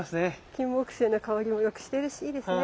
キンモクセイの香りもよくしてるしいいですね。